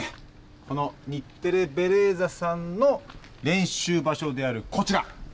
この日テレ・ベレーザさんの練習場所であるこちら！